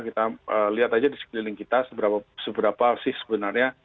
kita lihat aja di sekeliling kita seberapa sih sebenarnya